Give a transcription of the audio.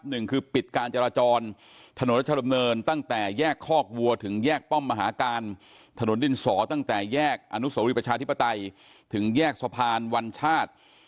หนึ่งคือปิดการจราจรถนนรัชดำเนินตั้งแต่แยกคอกวัวถึงแยกป้อมมหาการถนนดินสอตั้งแต่แยกอนุโสรีประชาธิปไตยถึงแยกสะพานวัญชาติ